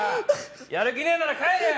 やる気ねえなら帰れよ！